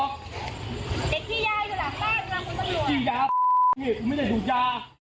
กี่ยาไม่ได้ถูกยา